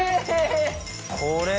これ。